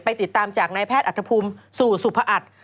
ไปติดตามจากนายแพทย์อัตภพุมสู่สุพะอัตภ์